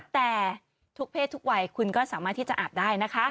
แต่ทุกเพศทุกวัยคุณก็สามารถที่จะอาบได้นะคะ